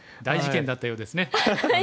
大事件だったようですね。